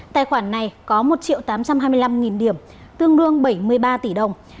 tài khoản này có một tám trăm hai mươi năm điểm tương đương bảy mươi ba tỷ đồng